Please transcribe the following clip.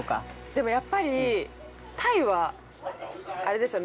◆でもやっぱり、タイはあれでしょう。